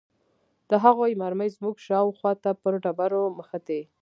د هغوى مرمۍ زموږ شاوخوا ته پر ډبرو مښتې.